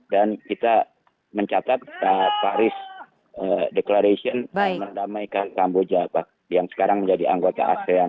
dan kita mencatat paris declaration mendamaikan kamboja yang sekarang menjadi anggota asean